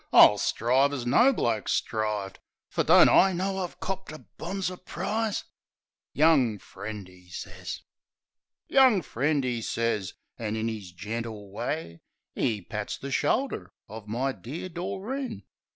"I'll strive as no bloke strivved! Fer don't I know I've copped a bonzer prize?" "Young friend!" 'e sez. "Young friend," 'e sez. An' in 'is gentle way, 'E pats the shoulder of my dear Doreen.